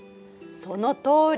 そのとおり。